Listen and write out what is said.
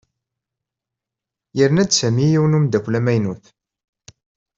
Yerna-d Sami yiwen n umeddakel amaynut.